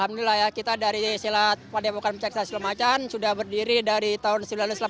alhamdulillah ya kita dari silat padepokan pencaksilomacan sudah berdiri dari tahun seribu sembilan ratus delapan puluh